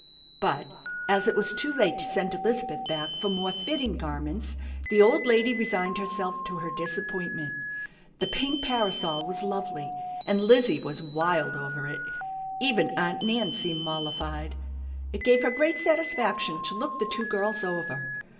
But, as it was too late to send Elizabeth back for more fitting garments, the old lady resigned herself to her disappointment. The pink parasol was lovely, and Lizzie was wild over it. Even Aunt Nan seemed mollified. It gave her great satisfaction to look the two girls over.